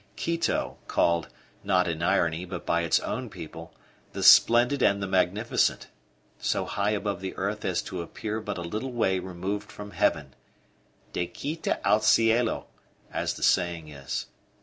Quito, called not in irony, but by its own people the Splendid and the Magnificent; so high above the earth as to appear but a little way removed from heaven "de Quito al cielo," as the saying is.